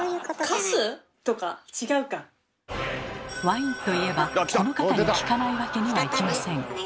ワインといえばこの方に聞かないわけにはいきません。